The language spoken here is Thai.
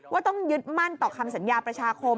ต้องยึดมั่นต่อคำสัญญาประชาคม